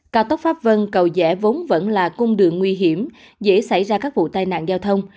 cao tốc pháp vân cầu rẻ vốn vẫn là cung đường nguy hiểm dễ xảy ra các vụ tai nạn giao thông